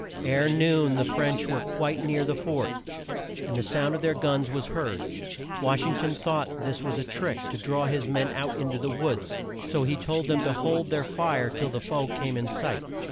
Ere noon the French were quite near the fort and the sound of their guns was heard. Wash ing ton thought this was a trick to draw his men out in to the woods, so he told them to hold their fire till the foe came in sight.